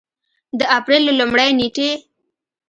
د اپرېل له لومړۍ نېټې